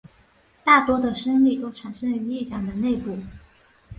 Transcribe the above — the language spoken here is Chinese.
大多的升力都产生于翼展的内部。